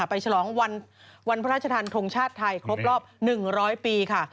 ไปฉลองวันพระราชทานทรงชาติไทยครบรอบหนึ่งร้อยปีค่ะ